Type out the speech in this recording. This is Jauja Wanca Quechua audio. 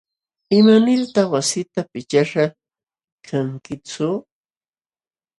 ¿Imanirtaq wasita pichashqa kankitsu?